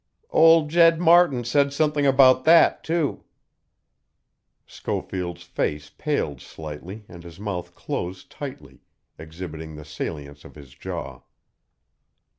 "Old Jed Martin said something about that, too." Schofield's face paled slightly and his mouth closed tightly, exhibiting the salience of his jaw.